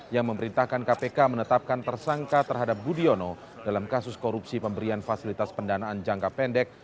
yang memerintahkan kpk menetapkan tersangka terhadap budiono dalam kasus korupsi pemberian fasilitas pendanaan jangka pendek